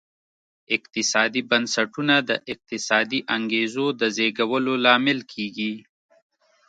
اقتصادي بنسټونه د اقتصادي انګېزو د زېږولو لامل کېږي.